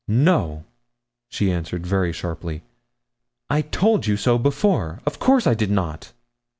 'No,' she answered very sharply. 'I told you so before. Of course I did not.'